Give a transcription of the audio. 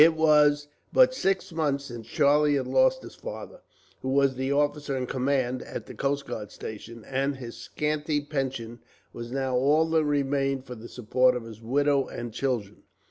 It was but six months since Charlie had lost his father, who was the officer in command at the coast guard station, and his scanty pension was now all that remained for the support of his widow and children.